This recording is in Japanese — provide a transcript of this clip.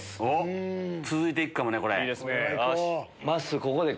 続いて行くかもねこれ。